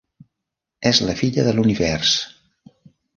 És la filla de l'univers.